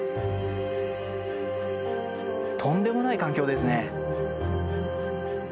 とんでもない環境ですね。